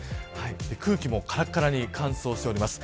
空気もからからに乾燥しています。